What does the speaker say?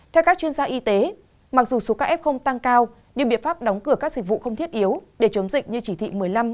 theo các chuyên gia y tế mặc dù số ca f tăng cao nhưng biện pháp đóng cửa các dịch vụ không thiết yếu để chống dịch như chỉ thị một mươi năm một mươi sáu